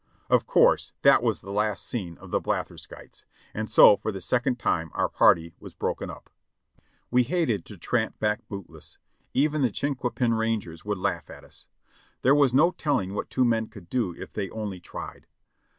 Of course that was the last seen of the blatherskites, and so for the second time our party was broken up. We hated tq tramp back bootless; even the "chinquapin ran gers" would laugh at us. There was no telling what two men could do if they only tried.